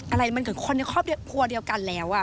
อะไรมันเกิดคนในครอบครัวเดียวกันแล้ว